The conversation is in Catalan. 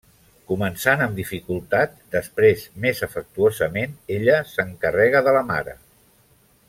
Començant amb dificultat, després més afectuosament, ella s'encarrega de la mare.